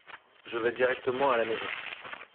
Je vais directement à la maison.